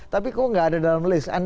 tapi kok nggak ada dalam list